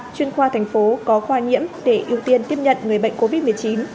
chuyên khoa thành phố có khoa nhiễm để ưu tiên tiếp nhận người bệnh covid một mươi chín